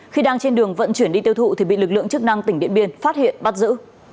khi đang trên đường vận chuyển đi tiêu thụ thì bị lực lượng chức năng tỉnh điện biên phát hiện bắt giữ